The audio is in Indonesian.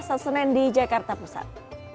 kita pasal senin di jakarta pusat